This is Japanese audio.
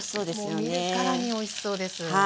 見るからにおいしそうです。